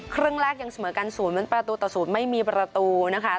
ครึ่งแรกยังเสมอกัน๐เว้นประตูต่อ๐ไม่มีประตูนะคะ